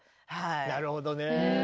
なるほどね。